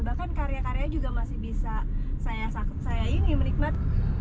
bahkan karya karya juga masih bisa saya ini menikmati